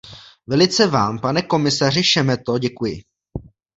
Velice vám, pane komisaři Šemeto, děkuji.